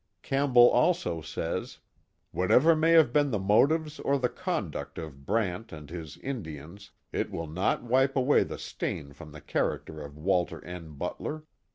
Campbell also says: 222 The Mohawk Valley Whatever may have been !hc motives or the conduct of Brani and his Indians, it will not wipe away the stain from the character of Walter N. Duller.